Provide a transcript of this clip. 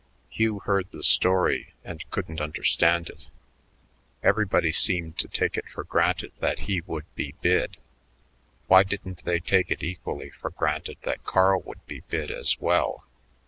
Hugh heard the story and couldn't understand it. Everybody seemed to take it for granted that he would be bid. Why didn't they take it equally for granted that Carl would be bid as well?